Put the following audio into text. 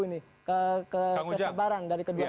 ini kesebaran dari kedua